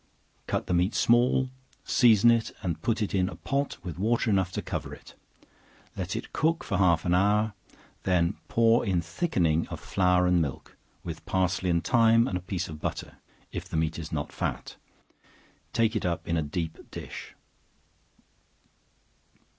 Cut the meat small, season it, and put it in a pot with water enough to cover it; let it cook for half an hour; then pour in thickening of flour and milk, with parsley and thyme, and a piece of butter, (if the meat is not fat;) take it up in a deep dish.